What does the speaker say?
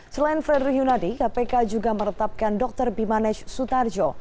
selain fredrich yunadi kpk juga meretapkan dr bimanesh sutardjo